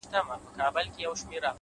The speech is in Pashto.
و ماته به د دې وطن د کاڼو ضرورت سي ـ